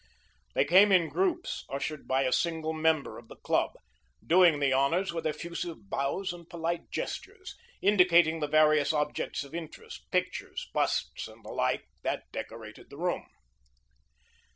They came in groups, ushered by a single member of the club, doing the honours with effusive bows and polite gestures, indicating the various objects of interest, pictures, busts, and the like, that decorated the room.